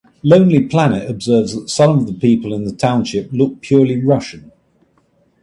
Lonely Planet observes that some of the people in the township "look purely Russian".